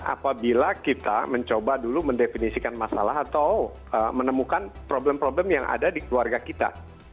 apabila kita mencoba dulu mendefinisikan masalah atau menemukan problem problem yang ada di keluarga kita